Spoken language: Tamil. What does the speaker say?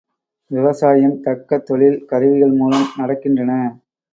விவசாயம் தக்க தொழில் கருவிகள் மூலம் நடக்கின்றன.